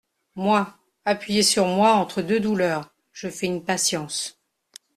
Moi, appuyer sur "moi" entre deux douleurs, je fais une patience !…